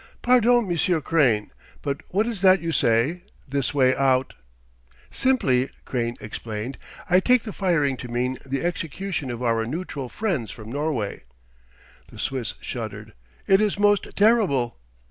"Pardon, Monsieur Crane, but what is that you say 'this way out'?" "Simply," Crane explained, "I take the firing to mean the execution of our nootral friends from Norway." The Swiss shuddered. "It is most terrible!"